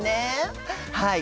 はい。